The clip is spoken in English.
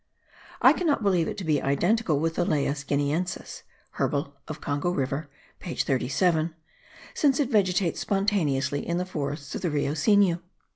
I cannot believe it to be identical with the Elaeis guineensis (Herbal of Congo River page 37) since it vegetates spontaneously in the forests of the Rio Sinu.